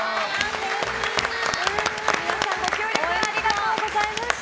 皆さんご協力ありがとうございました。